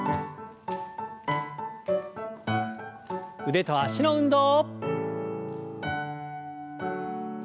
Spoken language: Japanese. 腕と脚の運動。